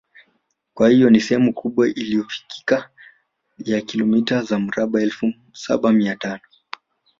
Kwa hiyo ni sehemu kubwa inayofikika ya kilomita za mraba elfu Saba Mia tano